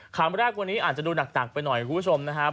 คำแรกวันนี้อาจจะดูหนักไปหน่อยคุณผู้ชมนะครับ